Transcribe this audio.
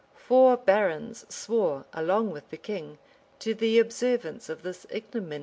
[] Four barons swore, along with the king, to the observance of this ignominious treaty.